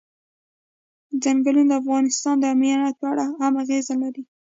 چنګلونه د افغانستان د امنیت په اړه هم اغېز لري.